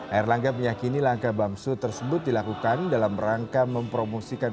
air langga meyakini langkah bamsud tersebut dilakukan dalam rangka mempromosikan